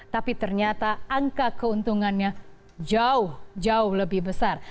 tapi ternyata angka keuntungannya jauh jauh lebih besar